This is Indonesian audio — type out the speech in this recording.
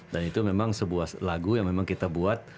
dan itu memang sebuah lagu yang memang kita buat